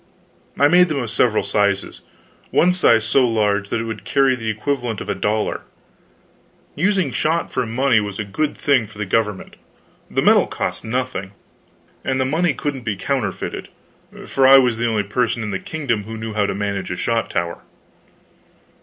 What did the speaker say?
I made them of several sizes one size so large that it would carry the equivalent of a dollar. Using shot for money was a good thing for the government; the metal cost nothing, and the money couldn't be counterfeited, for I was the only person in the kingdom who knew how to manage a shot tower.